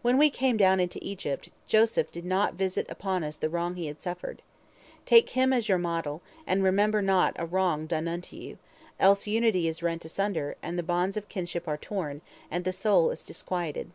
When we came down into Egypt, Joseph did not visit upon us the wrong he had suffered. Take him as your model, and remember not a wrong done unto you, else unity is rent asunder, and the bonds of kinship are torn, and the soul is disquieted.